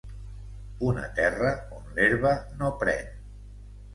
Una terra on l'herba no pren.